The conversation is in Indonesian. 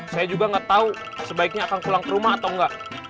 saya juga nggak tahu sebaiknya akan pulang ke rumah atau enggak